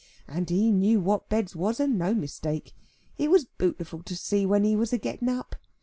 And he knew what beds was, and no mistake. It was bootiful to see when he was a getting up.